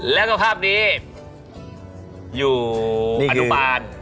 แล้วก็ภาพนี้อยู่อนุบาล